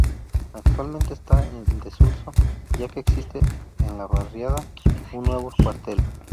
Actualmente está en desuso, ya que existe en la barriada un nuevo cuartel.